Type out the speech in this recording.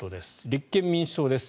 立憲民主党です。